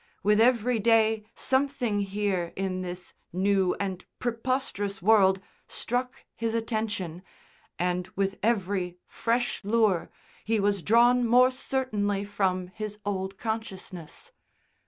With every day something here in this new and preposterous world struck his attention, and with every fresh lure was he drawn more certainly from his old consciousness.